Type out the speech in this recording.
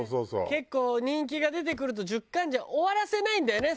結構人気が出てくると１０巻じゃ終わらせないんだよね。